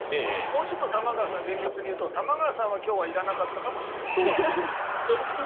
もうちょっと玉川さん厳密にいうと玉川さんは今日はいらなかったかもしれない。